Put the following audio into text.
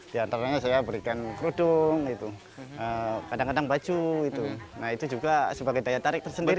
di antaranya saya berikan kerudung kadang kadang baju itu nah itu juga sebagai daya tarik tersendiri